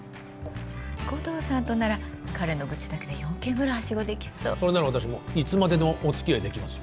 護道さんとなら彼の愚痴だけで４軒ぐらいハシゴできそうそれなら私もいつまででもおつきあいできますよ